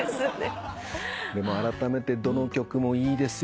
でもあらためてどの曲もいいですよね。